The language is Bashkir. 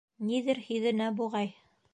Ниҙер һиҙенә буғай.